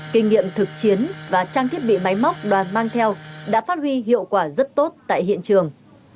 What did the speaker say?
kinh nghiệm thực chiến và trang thiết bị máy móc đoàn mang theo đã phát huy hiệu quả rất tốt tại hiện trường